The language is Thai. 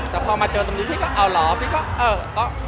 แต่พอมาเจอตรงนี้พี่ก็เอาเหรอพี่ก็เออก็